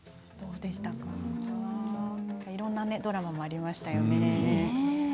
いろんなドラマもありましたね。